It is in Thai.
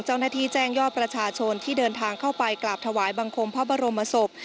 เจ้าหน้าที่แจ้งยอดประชาชนที่เดินทางเข้าไปกราบถวายบังคมพระบรมศพ